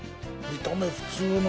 見た目普通の。